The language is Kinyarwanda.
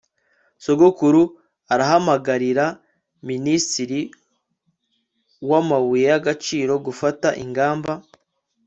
sogokuru arahamagarira minisitiri w'amabuye y'agaciro gufata ingamba